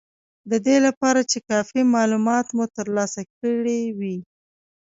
د دې لپاره چې کافي مالومات مو ترلاسه کړي وي